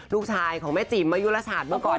ลูกชายของแม่จิ๋มมายุรชาติเมื่อก่อน